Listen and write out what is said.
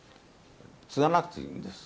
継がなくていいんです。